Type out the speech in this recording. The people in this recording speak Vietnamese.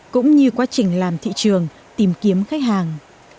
cũng như quá trình làm thị trường tìm kiếm khách hàng